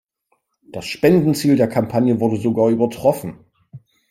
Das Spendenziel der Kampagne wurde sogar übertroffen.